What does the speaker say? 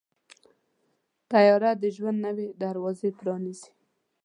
طیاره د ژوند نوې دروازې پرانیزي.